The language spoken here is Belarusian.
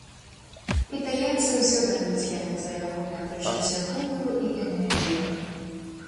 Італьянцы ўсё даруюць яму за ягонае пачуцце гумару і энергію.